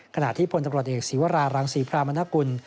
ขณะที่พลตำรวจเอกศีวรารังศรีพรามนกุล